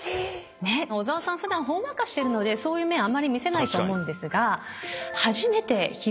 普段ほんわかしてるのでそういう面あんまり見せないと思うんですが。